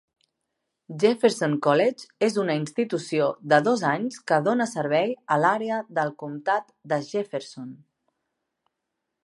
Jefferson College és una institució de dos anys que dóna servei a l'àrea del comtat de Jefferson.